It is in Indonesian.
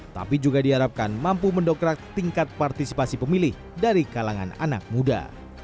tapi juga diharapkan mampu mendokrak tingkat partisipasi pemilih dari kalangan anak muda